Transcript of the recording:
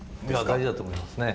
大事だと思いますね。